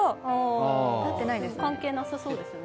関係なさそうですね。